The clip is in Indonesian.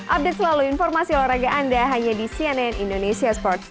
update selalu informasi olahraga anda hanya di cnn indonesia sports